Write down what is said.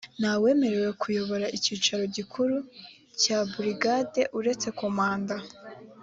nta wemerewe kuyobora icyicaro gikuru cya burigade uretse komanda